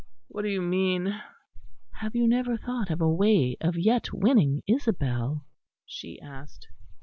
"What do you mean?" "Have you never thought of a way of yet winning Isabel," she asked.